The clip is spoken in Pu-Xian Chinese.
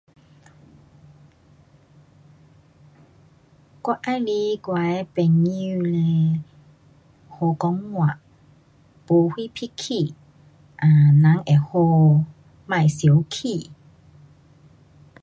我喜欢我的朋友嘞好讲话，没什脾气。um 人会好，别小气。